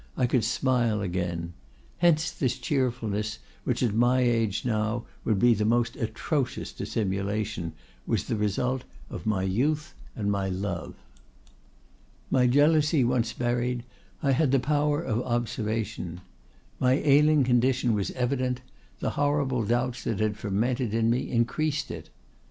I could smile again. Hence this cheerfulness, which at my age now would be the most atrocious dissimulation, was the result of my youth and my love. My jealousy once buried, I had the power of observation. My ailing condition was evident; the horrible doubts that had fermented in me increased it.